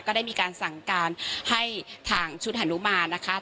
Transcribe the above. ก็ได้มีการสั่งการให้ทางชุดฮานุมานนะคะ